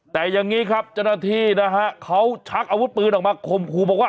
แต่อย่างนี้ครับเจ้าหน้าที่นะฮะเขาชักอาวุธปืนออกมาคมครูบอกว่า